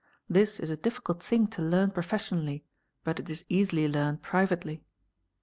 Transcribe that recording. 'This is a difficult thing to learn profession ally but it is easily learned privately.